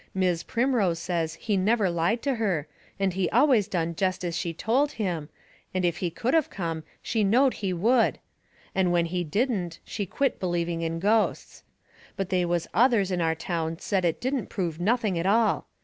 Mis' Primrose says he never lied to her, and he always done jest as she told him, and if he could of come she knowed he would; and when he didn't she quit believing in ghosts. But they was others in our town said it didn't prove nothing at all.